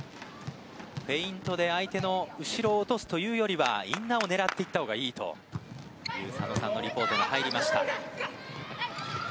フェイントで相手の後ろに落とすよりはインナーを狙っていったほうがいいという佐野さんのリポートでした。